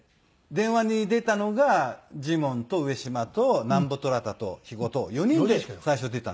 電話に出たのがジモンと上島と南部虎弾と肥後と４人で最初出たんですよ。